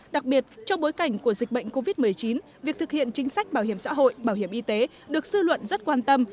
đặc biệt trong bối cảnh của dịch bệnh covid một mươi chín việc thực hiện chính sách bảo hiểm xã hội bảo hiểm y tế được sư luận rất quan tâm